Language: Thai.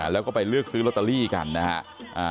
แล้วก็ไปเลือกซื้อลอตเตอรี่กันนะฮะ